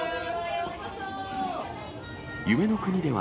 夢の国では、